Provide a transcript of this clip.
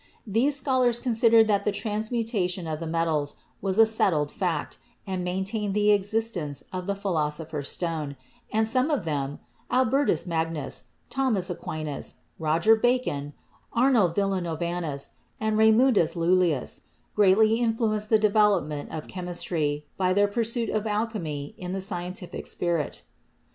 These scholars considered that the transmutation of the metals was a settled fact and maintained the existence of the Philosopher's stone, and some of them — Albertus Mag nus, Thomas Aquinas, Roger Bacon, Arnold Villanovanus and Raymundus Lullius — greatly influenced the develop ment of chemistry by their pursuit of alchemy in a scien tific spirit.